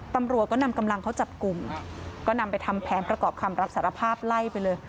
ตำรวจก็นำกำลังเขาจับกลุ่มก็นำไปทำแผนประกอบคำรับสารภาพไล่ไปเลย